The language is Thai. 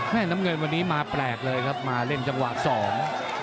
น้ำเงินวันนี้มาแปลกเลยครับมาเล่นจังหวะสอง